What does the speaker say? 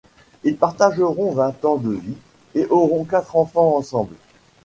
Ils partageront vingt ans de vie et auront quatre enfants ensemble.